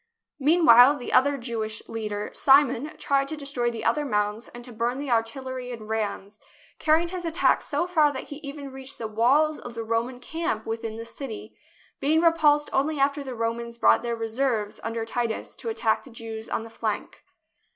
Meanwhile the other Jewish leader, Simon, tried to destroy the other mounds and to burn the artil lery and rams, carrying his attack so far that he even reached the walls of the Roman camp within the city, being repulsed only after the Romans brought their reserves under Titus to attack the Jews on the flank.